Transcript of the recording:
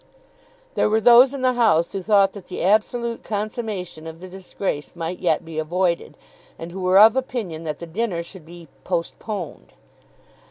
There were those in the House who thought that the absolute consummation of the disgrace might yet be avoided, and who were of opinion that the dinner should be "postponed."